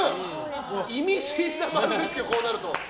意味深な○ですけど、こうなると。